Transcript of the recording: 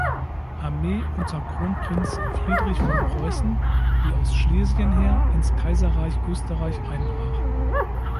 Armee unter Kronprinz Friedrich von Preußen, die aus Schlesien her, ins Kaiserreich Österreich einbrach.